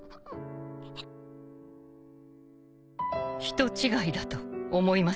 人違いだと思いますよ